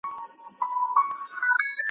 د نارنج د ګلو لاړ دي پر کاکل درته لیکمه .